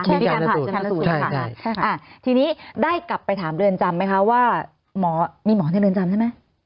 ใช่ค่ะทีนี้ได้กลับไปถามเรือนจำไหมคะว่ามีหมอในเรือนจำใช่ไหม